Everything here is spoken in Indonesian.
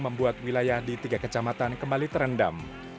membuat wilayah di tiga kecamatan kembali terendam